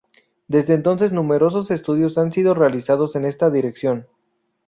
Desde entonces numerosos estudios han sido realizados en esta dirección.